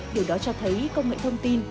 điều đó cho thấy công nghệ thông tin